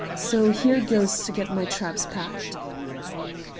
So here goes to get my traps packed."